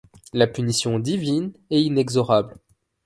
La punition divine est inexorable.